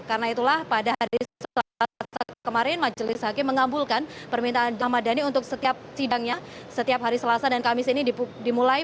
karena itulah pada hari selasa kemarin majelis hakim mengambulkan permintaan ahmad dhani untuk setiap sidangnya setiap hari selasa dan kamis ini dimulai